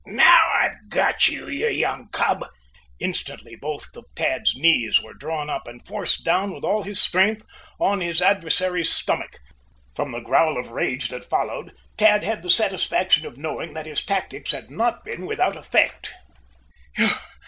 "Now, I've got you, you young cub!" Instantly, both of Tad's knees were drawn up and forced down with all his strength on his adversary's stomach. From the growl of rage that followed, Tad had the satisfaction of knowing that his tactics had not been without effect.